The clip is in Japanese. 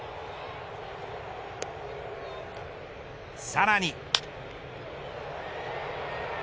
さらに。